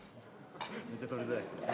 めっちゃ食べづらいですね。